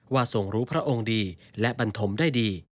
ทรงรู้พระองค์ดีและบรรทมได้ดี